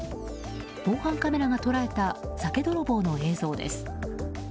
防犯カメラが捉えた酒泥棒の映像です。